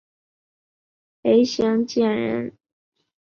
裴行俭人。